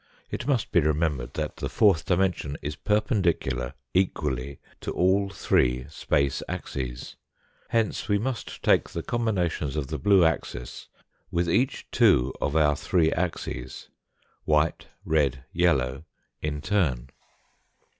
It must be remembered that the fourth dimension is perpendicular equally to all three space axes. Hence we must take the combinations of the blue axis, with each two of our three axes, white, red, yellow, in turn.